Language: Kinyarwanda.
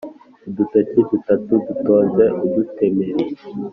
udutoki dutatu dutonze udutemeri.